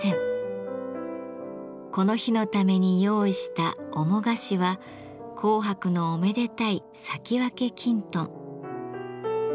この日のために用意した主菓子は紅白のおめでたい咲き分けきんとん。